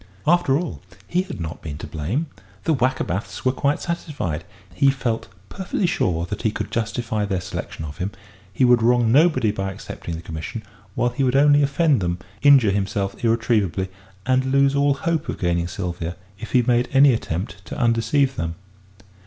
After all, he had not been to blame; the Wackerbaths were quite satisfied. He felt perfectly sure that he could justify their selection of him; he would wrong nobody by accepting the commission, while he would only offend them, injure himself irretrievably, and lose all hope of gaining Sylvia if he made any attempt to undeceive them.